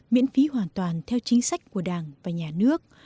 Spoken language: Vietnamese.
miễn phí hoàn toàn theo chính sách của đảng và nhà nước